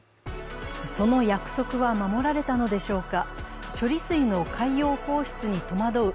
その約束は守られたのでしょうか。